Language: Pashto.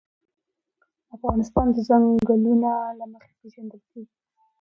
افغانستان د ځنګلونه له مخې پېژندل کېږي.